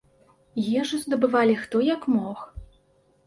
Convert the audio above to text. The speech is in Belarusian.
Ежу здабывалі хто як мог.